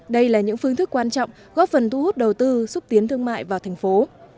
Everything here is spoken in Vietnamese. đây là những phương thức quan trọng góp phần thu hút đầu tư xúc tiến thương mại vào thành phố